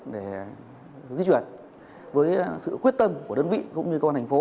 để di chuyển với sự quyết tâm của đơn vị cũng như cơ quan thành phố